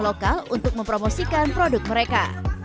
lokal untuk mempromosikan produk mereka